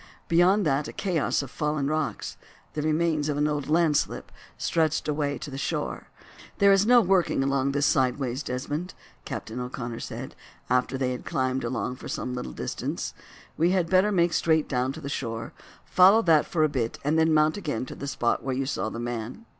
Beyond that a chaos of fallen rocks—the remains of an old landslip—stretched away to the shore. "There is no working along this side ways, Desmond," Captain O'Connor said, after they had climbed along for some little distance. "We had better make straight down to the shore, follow that for a bit, and then mount again to the spot where you saw the man."